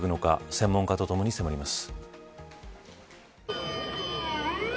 専門家とともに迫ります。